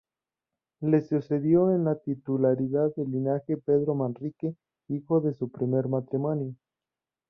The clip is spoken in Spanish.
Le sucedió en la titularidad del linaje Pedro Manrique, hijo de su primer matrimonio.